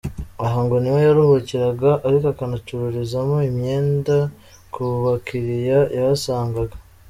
Aha ngo niho yaruhukiraga ariko akanacururizamo imyenda ku bakiriya yahasangaga.